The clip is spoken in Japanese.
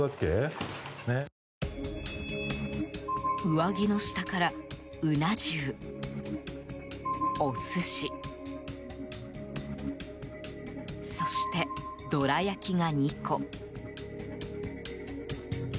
上着の下から、うな重、お寿司そしてどら焼きが２個。